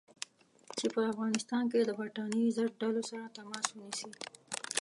چې په افغانستان کې د برټانیې ضد ډلو سره تماس ونیسي.